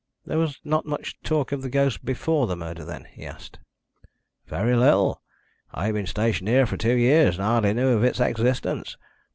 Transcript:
"There was not much talk of the ghost before the murder, then?" he asked. "Very little. I have been stationed here for two years, and hardly knew of its existence.